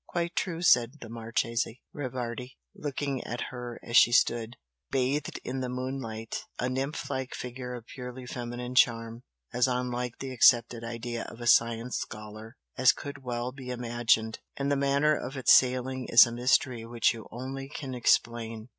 "Quite true" said the Marchese Rivardi, looking at her as she stood, bathed in the moonlight, a nymph like figure of purely feminine charm, as unlike the accepted idea of a "science" scholar as could well be imagined "And the manner of its sailing is a mystery which you only can explain!